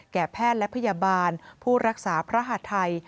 แพทย์และพยาบาลผู้รักษาพระหาดทัย